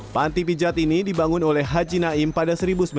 panti pijat ini dibangun oleh haji naim pada seribu sembilan ratus sembilan puluh